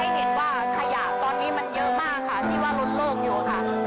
เห็นว่าขยะตอนนี้มันเยอะมากค่ะที่ว่าล้นโล่งอยู่ค่ะ